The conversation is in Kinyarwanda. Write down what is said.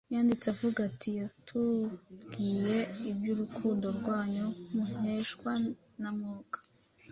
yanditse avuga ati, “yatubwiye iby’urukundo rwanyu muheshwa na Mwuka.”